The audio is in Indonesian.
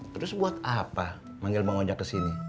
terus buat apa manggil bang ojak kesini